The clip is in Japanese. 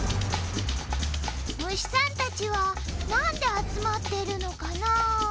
むしさんたちはなんであつまってるのかな？